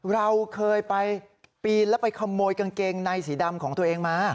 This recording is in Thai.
เราเคยไปปีนแล้วไปขโมยกางเกงในสีดำของตัวเองมา